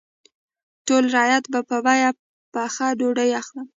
ټول رعیت به په بیه پخه ډوډۍ اخلي.